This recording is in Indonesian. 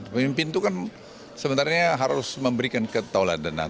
pemimpin itu kan sebenarnya harus memberikan ketoladanan